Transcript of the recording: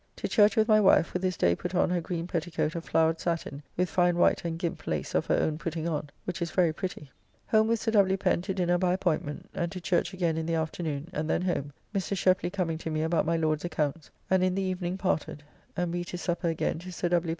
To church with my wife, who this day put on her green petticoat of flowred satin, with fine white and gimp lace of her own putting on, which is very pretty. Home with Sir W. Pen to dinner by appointment, and to church again in the afternoon, and then home, Mr. Shepley coming to me about my Lord's accounts, and in the evening parted, and we to supper again to Sir W.